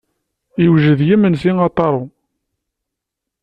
Iwjed yimensi a Taro.